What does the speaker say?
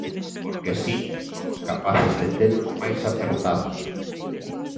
Porque así somos capaces de telos máis apertados.